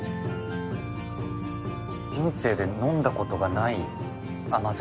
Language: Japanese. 人生で飲んだことがない甘酒。